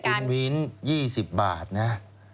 คุณวิน๒๐บาทนะ